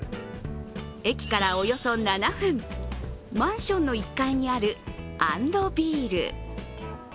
駅からおよそ７分、マンションの１階にあるアンド＆ビール。